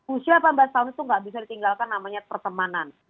usia delapan belas tahun itu nggak bisa ditinggalkan namanya pertemanan